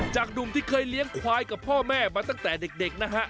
หนุ่มที่เคยเลี้ยงควายกับพ่อแม่มาตั้งแต่เด็กนะฮะ